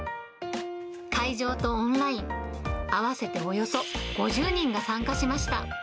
会場とオンライン、合わせておよそ５０人が参加しました。